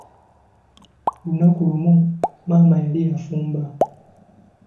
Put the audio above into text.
Lunaku lumu, maama yali afumba.